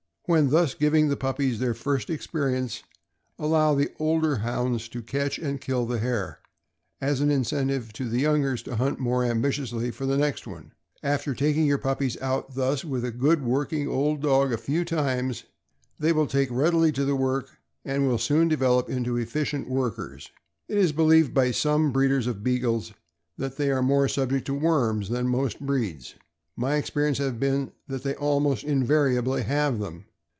When thus giving the puppies their first experience, allow the older Hounds to catch and kill the hare, as an incentive to the youngsters to hunt more ambitiously for the next one. After taking your puppies out thus with a good working old dog a few times, they will take readily to the work, and will soon develop into efficient workers. It is believed by some breeders of Beagles that they are more subject to worms than most breeds. My experience has been that they almost invariably have them.